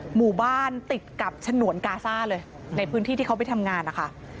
หมู่บ้านติดกับฉนวนกาซ่าเลยในพื้นที่ที่เขาไปทำงานนะคะ